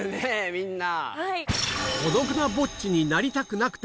みんな。